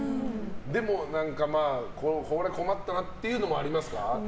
でも、これ困ったなっていうのありますか？